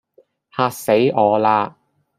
嚇死我啦